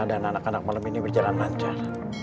dan anak anak malam ini berjalan lancar